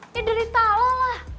ya derita lo lah